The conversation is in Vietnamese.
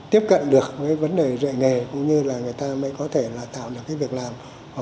tiếp cận được với vấn đề dạy nghề cũng như là người ta mới có thể là tạo được cái việc làm